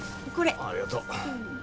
ありがとう。